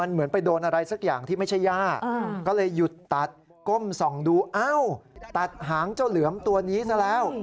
เอ้าตัดหางเจ้าเหลือมตัวนี้ซะแล้ว